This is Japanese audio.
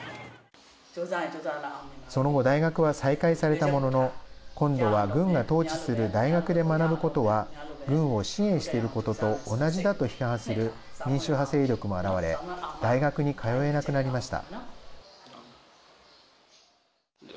その後、大学は再開されたものの今度は軍が統治する大学で学ぶことは軍を支援していることと同じだと批判する民主派勢力も現れ大学に通えなくなりました。